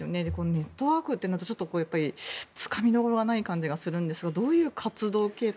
ネットワークとなるとつかみどころがない感じがするんですがどういう活動形態。